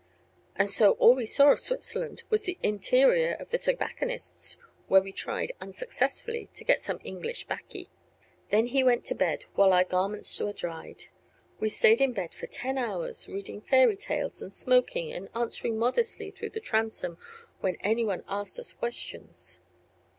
And so all we saw of Switzerland was the interior of the tobacconist's where we tried, unsuccessfully, to get some English baccy. Then he went to bed while our garments were dried. We stayed in bed for ten hours, reading, fairy tales and smoking and answering modestly through the transom when any one asked us questions.